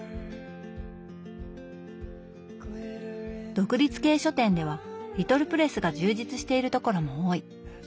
独立系書店ではリトルプレスが充実しているところも多い。